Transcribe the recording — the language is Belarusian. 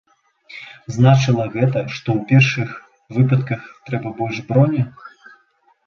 Значыла гэта, што ў першых выпадках трэба больш броні?